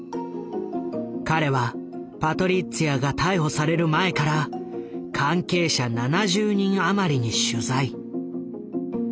彼はパトリッツィアが逮捕される前から関係者７０人余りに取材。